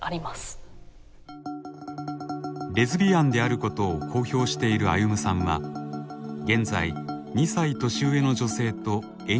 レズビアンであることを公表しているあゆむさんは現在２歳年上の女性と遠距離恋愛中。